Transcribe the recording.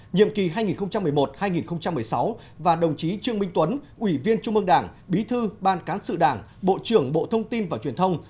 nhiệm kỳ hai nghìn một mươi một hai nghìn một mươi sáu và đồng chí trương minh tuấn ủy viên trung ương đảng bí thư ban cán sự đảng bộ trưởng bộ thông tin và truyền thông